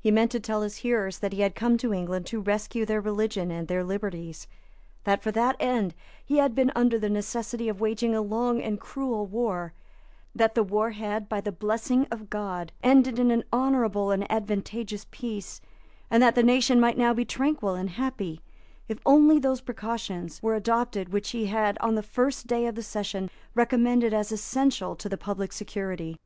He meant to tell his hearers that he had come to England to rescue their religion and their liberties; that, for that end, he had been under the necessity of waging a long and cruel war; that the war had, by the blessing of God, ended in an honourable and advantageous peace; and that the nation might now be tranquil and happy, if only those precautions were adopted which he had on the first day of the session recommended as essential to the public security.